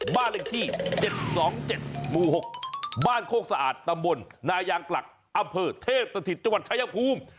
บ้านเลขที่๗๒๗หมู่๖บ้านโคกสะอาดตำบลนายางกลักอำเภอเทพสถิตจังหวัดชายภูมิ